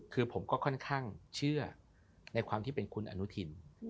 คือผมก็ค่อนข้างเชื่อในความที่เป็นคุณอนุทิน